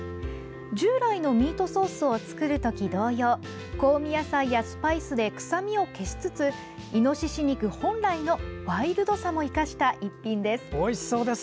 従来のミートソースを作るとき同様香味野菜やスパイスで臭みを消しつつイノシシ肉本来のワイルドさも生かした一品です。